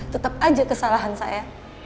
tetep aja kesalahan saya